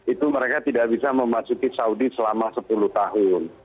itu mereka tidak bisa memasuki saudi selama sepuluh tahun